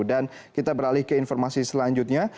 dan kita beralih ke informasi selanjutnya